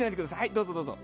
どうぞどうぞ。